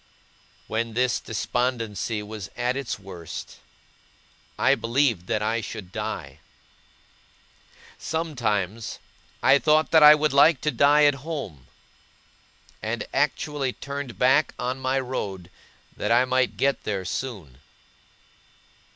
When this despondency was at its worst, I believed that I should die. Sometimes, I thought that I would like to die at home; and actually turned back on my road, that I might get there soon.